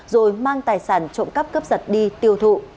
rồi mang tài sản trộm cắp cướp giật đi tiêu thụ